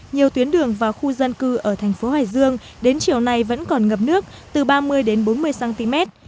nhiều tuyến đường và khu dân cư ở thành phố hải dương đến chiều nay vẫn còn ngập nước từ ba mươi đến bốn mươi cm